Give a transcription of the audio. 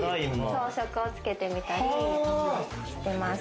装飾をつけてみたりしてます。